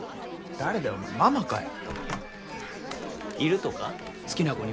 誰だよお前ママかよ。